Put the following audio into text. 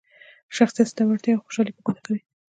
شخصیت ستا وړتیاوې او خوشحالي په ګوته کوي.